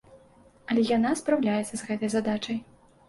Але яна спраўляецца з гэтай задачай.